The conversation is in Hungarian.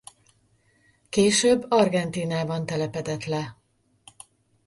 Később Argentínában telepedett le.